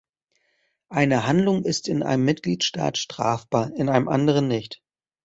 Eine Handlung ist in einem Mitgliedstaat strafbar, in einem anderen nicht.